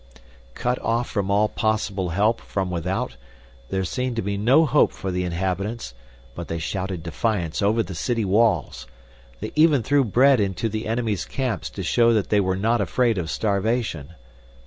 Cut off from all possible help from without, there seemed to be no hope for the inhabitants, but they shouted defiance over the city walls. They even threw bread into the enemy's camps to show that they were not afraid of starvation.